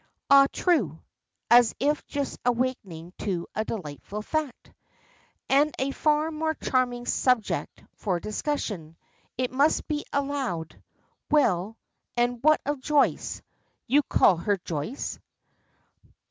"Ah, true!" as if just awakening to a delightful fact. "And a far more charming subject for discussion, it must be allowed. Well, and what of Joyce you call her Joyce?"